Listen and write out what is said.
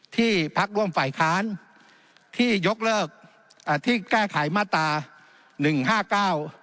พักร่วมฝ่ายค้านที่ยกเลิกอ่าที่แก้ไขมาตราหนึ่งห้าเก้า